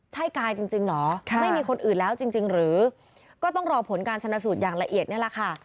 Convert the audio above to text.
ใช่กายจริงเหรอไม่มีคนอื่นแล้วจริงหรือก็ต้องรอผลการชนะสูตรอย่างละเอียดนี่แหละค่ะ